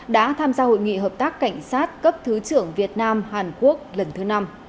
đã tham gia hội nghị hợp tác cảnh sát cấp thứ trưởng việt nam hàn quốc lần thứ năm